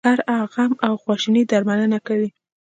د هر غم او خواشینۍ درملنه کوي.